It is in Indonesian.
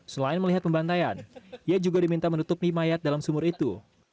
selain melihat pembantaian ia juga diminta menutupi mayat dalam sumur itu